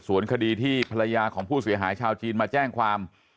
ส่วนคดีที่ภรรยาของผู้เสียหายชาวจีนมาแจ้งความ